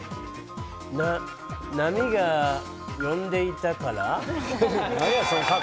波が呼んでいたから。